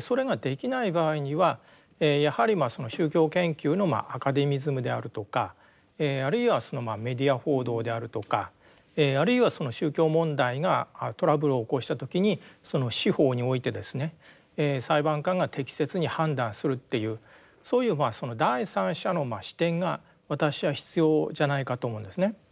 それができない場合にはやはりその宗教研究のアカデミズムであるとかあるいはメディア報道であるとかあるいはその宗教問題がトラブルを起こした時にその司法においてですね裁判官が適切に判断するっていうそういう第三者の視点が私は必要じゃないかと思うんですね。